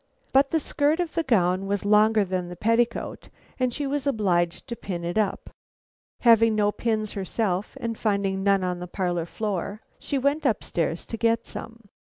But the skirt of the gown was longer than the petticoat and she was obliged to pin it up. Having no pins herself, and finding none on the parlor floor, she went up stairs to get some.